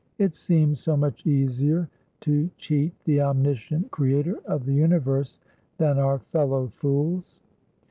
It seems so much easier to cheat the omniscient Creator of the Universe than our fellow fools!